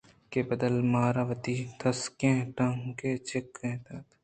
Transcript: کہ بدل ءَ منارا وتی تُسکین کُنٹگے جِکّ ئے دات